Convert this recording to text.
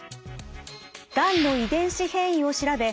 がんの遺伝子変異を調べ